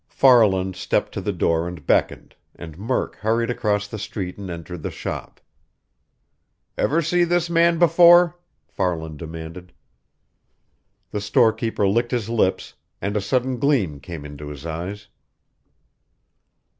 Farland stepped to the door and beckoned, and Murk hurried across the street and entered the shop. "Ever see this man before?" Farland demanded. The storekeeper licked his lips, and a sudden gleam came into his eyes.